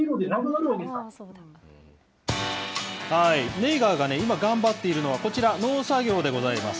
ネイガーが今、頑張っているのはこちら、農作業でございます。